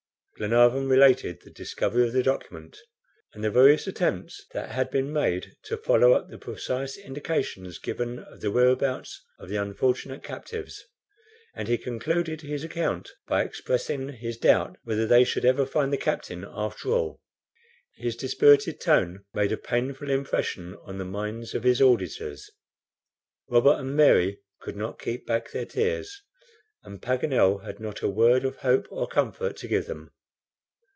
Glenarvan related the discovery of the document, and the various attempts that had been made to follow up the precise indications given of the whereabouts of the unfortunate captives; and he concluded his account by expressing his doubt whether they should ever find the Captain after all. His dispirited tone made a painful impression on the minds of his auditors. Robert and Mary could not keep back their tears, and Paganel had not a word of hope or comfort to give them.